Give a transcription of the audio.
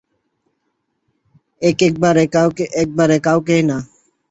একেবারে কাউকেই না?